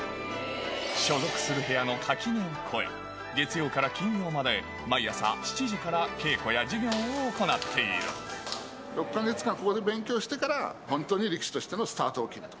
所属する部屋の垣根を超え、月曜から金曜まで、毎朝７時から６か月間、ここで勉強してから、本当に力士としてのスタートを切ると。